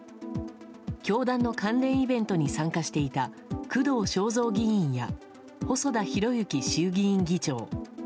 教団の関連イベントに参加していた工藤彰三議員や細田博之衆議院議長。